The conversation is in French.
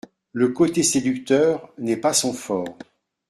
Le côté séducteur N’est pas son fort !